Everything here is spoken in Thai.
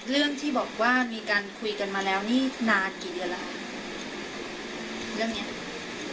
เรื่องที่บอกว่ามีการคุยกันมาแล้วนี่นานกี่เดือนแล้วเรื่องเนี้ย